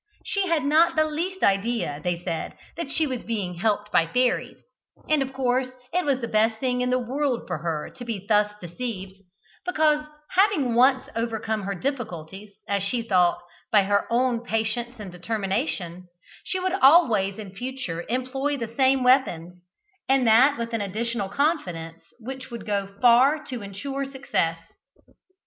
She had not the least idea, they said, that she was being helped by fairies, and of course it was the best thing in the world for her to be thus deceived, because having once overcome her difficulties, as she thought, by her own patience and determination, she would always in future employ the same weapons, and that with an additional confidence which would go far to insure success.